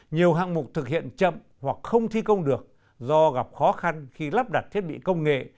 nhiều hạng mục thực hiện chậm hoặc không thi công được do gặp khó khăn khi lắp đặt thiết bị công nghệ